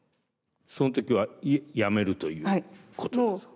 その時はやめるということですか？